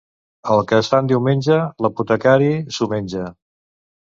El que es fa en diumenge, l'apotecari s'ho menja.